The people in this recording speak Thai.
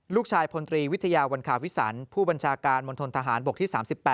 พลตรีวิทยาวันคาวิสันผู้บัญชาการมณฑนทหารบกที่๓๘